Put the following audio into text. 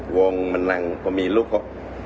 wong menang pemilu kok